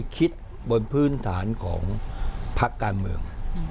คิดบนพื้นฐานของพักการเมือง